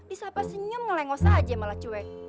isapa senyum ngelengosa aja malah cuek